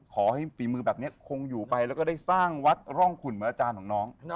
ขอให้ฝีมือแบบเนี่ยคงอยู่ไปแล้วก็ได้สร้างวัฒว์ร่องขุ่นเมื่ออาจารย์ของน้อง